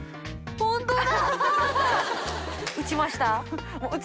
本当だ！